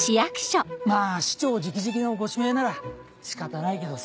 まぁ市長直々のご指名なら仕方ないけどさ。